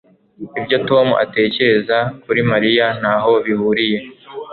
Ibyo Tom atekereza kuri Mariya ntaho bihuriye